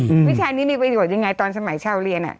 วิชานี้มีประโยชน์ยังไงตอนสมัยชาวเรียนอ่ะ